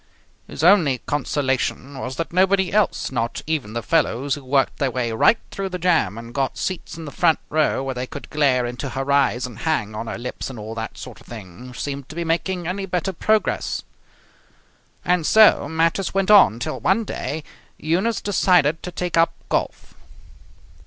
His only consolation was that nobody else, not even the fellows who worked their way right through the jam and got seats in the front row where they could glare into her eyes and hang on her lips and all that sort of thing, seemed to be making any better progress. And so matters went on till one day Eunice decided to take up golf.